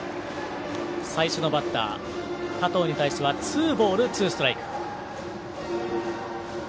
最初のバッター、加藤に対してはツーボールツーストライク。